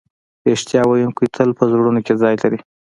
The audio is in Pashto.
رښتیا ویونکی تل په زړونو کې ځای لري.